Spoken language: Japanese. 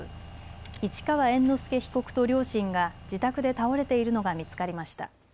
市川猿之助被告と両親が自宅で倒れているのが見つかりました。